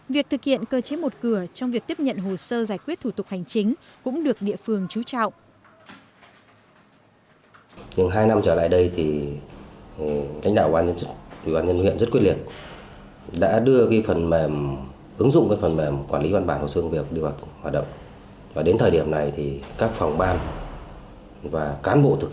việc thực hiện cơ chế một cửa trong việc tiếp nhận hồ sơ giải quyết thủ tục hành chính cũng được địa phương chú trọng